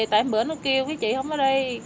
tại hôm bữa nó kêu cái chị không ở đây